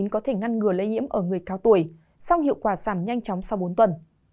có thể ngăn ngừa lây nhiễm ở người cao tuổi song hiệu quả giảm nhanh chóng sau bốn tuần